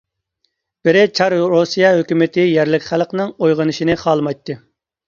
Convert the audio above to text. بىرى، چار رۇسىيە ھۆكۈمىتى يەرلىك خەلقنىڭ ئويغىنىشىنى خالىمايتتى.